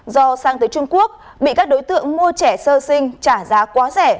do sang tới trung quốc bị các đối tượng mua trẻ sơ sinh trả giá quá rẻ